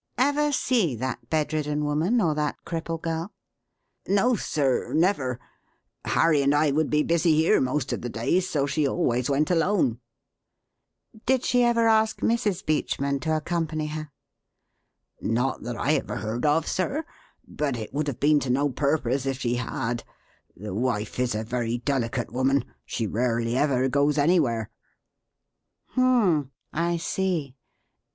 "Ever see that bedridden woman or that cripple girl?" "No, sir, never. Harry and I would be busy here most of the days, so she always went alone." "Did she ever ask Mrs. Beachman to accompany her?" "Not that I ever heard of, sir. But it would have been to no purpose if she had. The wife is a very delicate woman; she rarely ever goes anywhere." "Hum m m! I see!